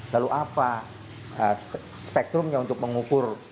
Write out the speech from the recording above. lalu apa spektrumnya untuk mengukur